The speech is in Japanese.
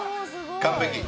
完璧。